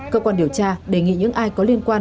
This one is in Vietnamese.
cơ quan điều tra đề nghị những ai có liên quan